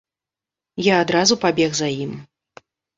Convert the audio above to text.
Я адразу пабег за ім.